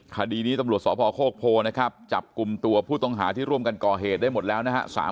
คดีนี้ตำรวจสพโคกโพนะครับจับกลุ่มตัวผู้ต้องหาที่ร่วมกันก่อเหตุได้หมดแล้วนะฮะ